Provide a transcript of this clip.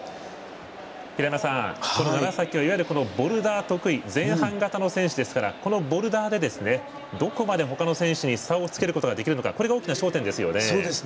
平山さん、この楢崎はいわゆるボルダー得意前半型の選手ですからこのボルダーでどこまで他の選手に差をつけることができるのかこれが大きな焦点ですよね。